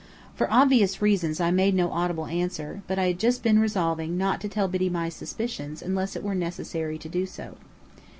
For obvious reasons I made no audible answer; but I had just been resolving not to tell Biddy my suspicions unless it were necessary to do so.